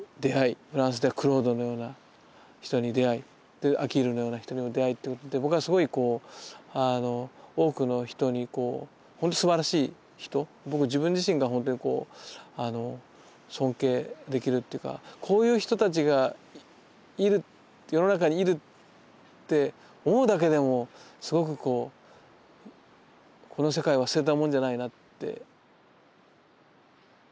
フランスでクロードのような人に出会いでアキールのような人にも出会いってことで僕はすごい多くの人にほんとすばらしい人僕自分自身がほんとに尊敬できるっていうかこういう人たちが世の中にいるって思うだけでもすごくこうこの世界は捨てたもんじゃないなって。